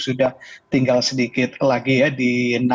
sudah tinggal sedikit lagi ya di enam ribu sembilan ratus lima puluh tiga